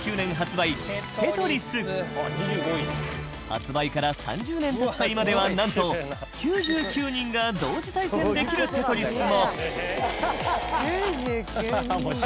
発売から３０年経った今ではなんと９９人が同時対戦できる『テトリス』も入江：９９人？